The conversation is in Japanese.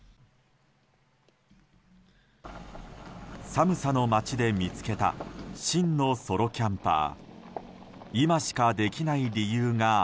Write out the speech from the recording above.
寒さの町で見つけた真のソロキャンパー。